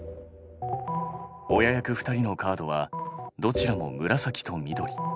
親役２人のカードはどちらも紫と緑。